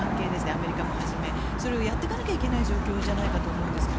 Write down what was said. アメリカをはじめそれをやっていかなきゃいけない状況ではないかと思うんですが。